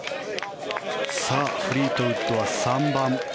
フリートウッドは３番。